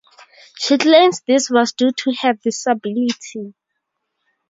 She claims this was due to her disability.